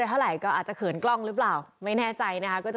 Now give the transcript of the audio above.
เท่าไหร่ก็อาจจะเขินกล้องหรือเปล่าไม่แน่ใจนะคะก็จะ